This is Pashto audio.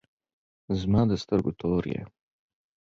زما د سترګو تور یی